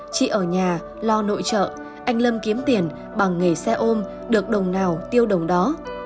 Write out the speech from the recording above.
chị ở nhà lo nội trợ anh lâm kiếm tiền bằng nghề xe ôm được đồng nào tiêu đồng đó